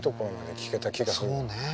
そうね。